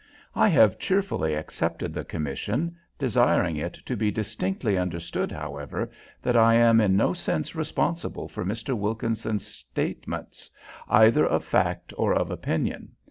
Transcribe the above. I have cheerfully accepted the commission, desiring it to be distinctly understood, however, that I am in no sense responsible for Mr. Wilkinson's statements either of fact or of opinion.